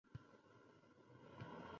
ajina cholgʼusi bekingan